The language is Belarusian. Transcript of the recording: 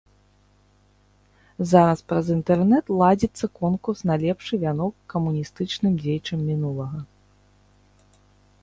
Зараз праз інтэрнэт ладзіцца конкурс на лепшы вянок камуністычным дзеячам мінулага.